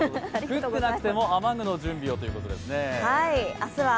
降ってなくても雨具の準備をということですね。